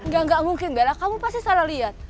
engga engga mungkin bella kamu pasti salah liat